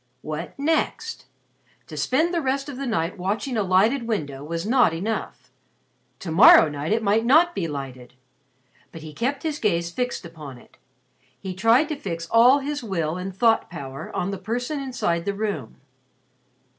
What next? To spend the rest of the night watching a lighted window was not enough. To morrow night it might not be lighted. But he kept his gaze fixed upon it. He tried to fix all his will and thought power on the person inside the room.